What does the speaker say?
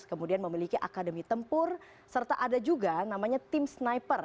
kemudian memiliki akademi tempur serta ada juga namanya tim sniper